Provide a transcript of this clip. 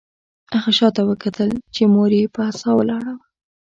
هغه شاته وکتل چې مور یې په عصا ولاړه وه